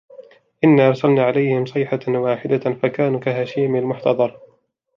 إنا أرسلنا عليهم صيحة واحدة فكانوا كهشيم المحتظر